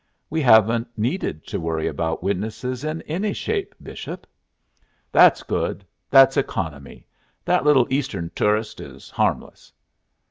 "We haven't needed to worry about witnesses in any shape, Bishop." "That's good. That's economy. That little Eastern toorist is harmless."